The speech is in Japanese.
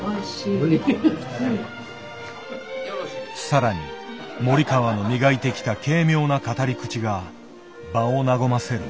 更に森川の磨いてきた軽妙な語り口が場を和ませる。